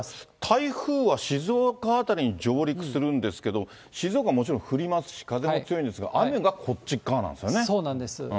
台風は静岡辺りに上陸するんですけど、静岡、もちろん降りますし、風も強いんですが、そうなんです。